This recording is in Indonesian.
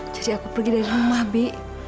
jadi aku pergi dari rumah bi